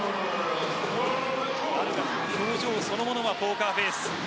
バルガスの表情そのものはポーカーフェース。